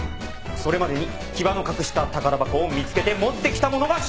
それまでに木場の隠した宝箱を見つけて持ってきた者が勝者です。